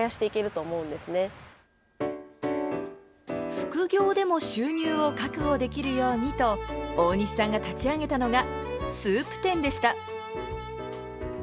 副業でも収入を確保できるようにと大西さんが立ち上げたのがスープ店でした。